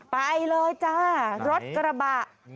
ไปเลยจ้ารถกระบะ